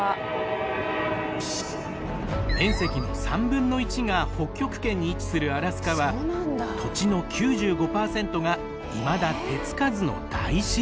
面積の３分の１が北極圏に位置するアラスカは土地の９５％がいまだ手付かずの大自然！